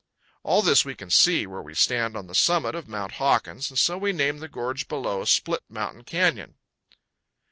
All this we can see where we stand on the summit of Mount Hawkins, and so we name the gorge below, Split Mountain Canyon.